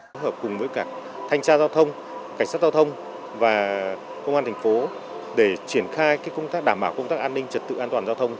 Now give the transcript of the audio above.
hợp cùng với cả thanh tra giao thông cảnh sát giao thông và công an thành phố để triển khai công tác đảm bảo công tác an ninh trật tự an toàn giao thông